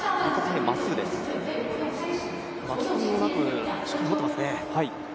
巻き込みもなくしっかり持ってますね。